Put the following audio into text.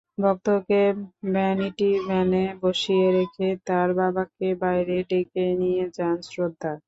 ভক্তকে ভ্যানিটি ভ্যানে বসিয়ে রেখে তার বাবাকে বাইরে ডেকে নিয়ে যান শ্রদ্ধা।